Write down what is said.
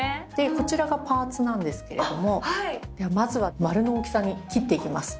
こちらがパーツなんですけれどもまずは丸の大きさに切っていきます。